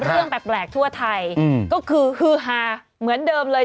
เรื่องแปลกทั่วไทยก็คือฮือฮาเหมือนเดิมเลย